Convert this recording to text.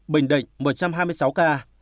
bình định một trăm hai mươi sáu ca